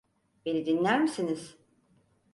Beni dinler misiniz?